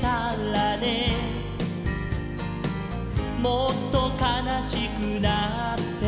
「もっとかなしくなって」